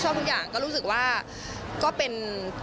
ทุกอย่างก็รู้สึกว่าก็เป็น